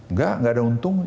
nggak nggak ada untung